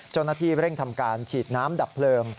เจ้าหน้าที่เร่งทำการฉีดน้ำดับเพลิง